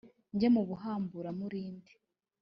njye mu buhambura-murindi,